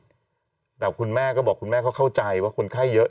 แต่คุณแม่ก็บอกคุณแม่เขาเข้าใจว่าคนไข้เยอะ